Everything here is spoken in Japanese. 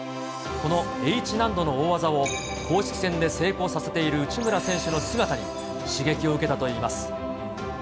このＨ難度の大技を、公式戦で成功させている内村選手の姿に、刺激を受けたといいます。